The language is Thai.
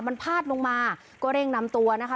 มันพาดลงมาก็เร่งนำตัวนะคะ